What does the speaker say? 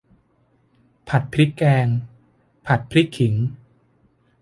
ผัดพริกแกง ผัดพริกขิง